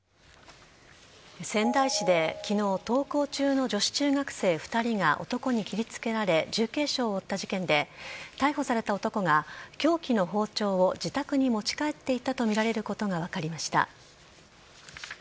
仙台市で昨日登校中の女子中学生２人が男に切りつけられ重軽傷を負った事件で逮捕された男が凶器の包丁を自宅に持ち帰っていたとみられることが分かりました。